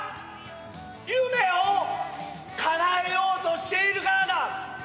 夢をかなえようとしているからだ！